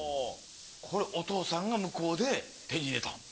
これお父さんが向こうで手に入れた。